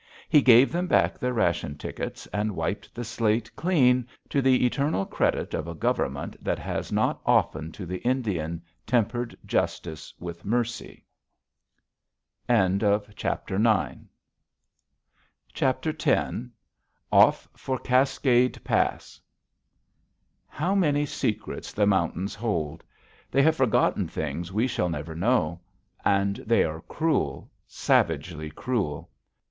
He gave them back their ration tickets and wiped the slate clean, to the eternal credit of a Government that has not often to the Indian tempered justice with mercy. X OFF FOR CASCADE PASS How many secrets the mountains hold! They have forgotten things we shall never know. And they are cruel, savagely cruel.